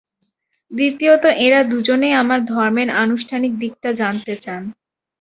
দ্বিতীয়ত এঁরা দুজনেই আমার ধর্মের আনুষ্ঠানিক দিকটা জানতে চান।